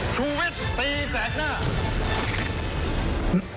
ชูวิตตีแสกหน้า